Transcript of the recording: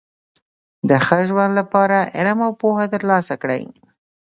د ښه ژوند له پاره علم او پوهه ترلاسه کړئ!